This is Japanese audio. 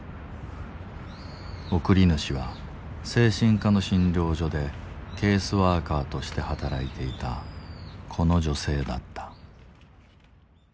送り主は精神科の診療所でケースワーカーとして働いていたこの女性だった。